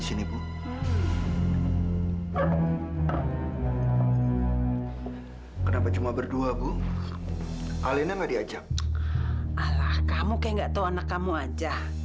sampai jumpa di video selanjutnya